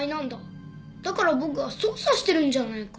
だから僕が捜査してるんじゃないか。